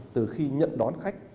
từ khi nhận đón khách